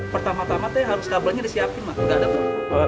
pertama tama tuh harus kabelnya disiapin mak